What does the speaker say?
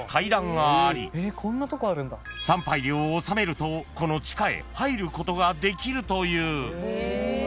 ［参拝料を納めるとこの地下へ入ることができるという］